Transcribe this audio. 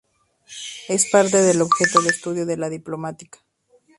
Es parte del objeto de estudio de la Diplomática.